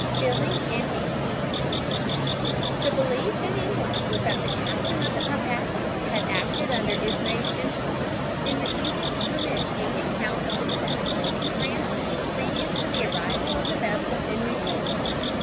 FEELING IN ENGLAND The belief in England was that the captain of the Carpathia had acted under Ismay's influence in refusing to permit any account of the disaster to be transmitted previous to the arrival of the vessel in New York.